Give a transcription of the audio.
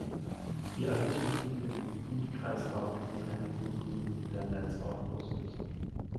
Die erhöhten Drücke im Blutkreislauf können Einblutungen der Netzhaut auslösen.